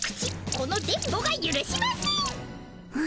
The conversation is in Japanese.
この電ボがゆるしません！